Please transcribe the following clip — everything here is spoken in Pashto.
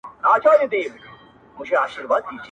سل سپرلي دي را وسته چي راغلې ګلابونو کي،